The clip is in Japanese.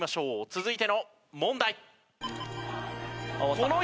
続いての問題。